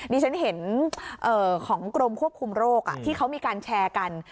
ดิฉันเห็นของกรมควบคุมโรคที่เขามีการแชร์กัน